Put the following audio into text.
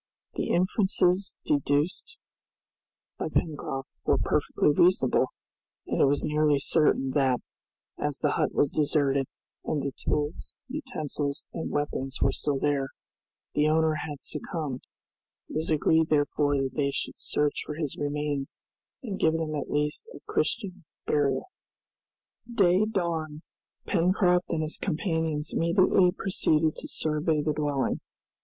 The inferences deduced by Pencroft were perfectly reasonable, and it was nearly certain that, as the hut was deserted, and the tools, utensils, and weapons were still there, the owner had succumbed. It was agreed, therefore, that they should search for his remains, and give them at least Christian burial. Day dawned; Pencroft and his companions immediately proceeded to survey the dwelling.